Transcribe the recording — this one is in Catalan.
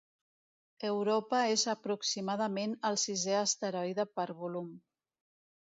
Europa és aproximadament el sisè asteroide per volum.